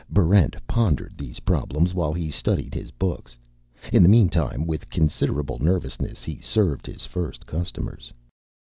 Barrent pondered these problems while he studied his books. In the meantime, with considerable nervousness, he served his first customers.